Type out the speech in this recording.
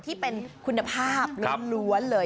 ที่เป็นคุณภาพล้วนเลย